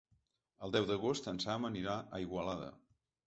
El deu d'agost en Sam anirà a Igualada.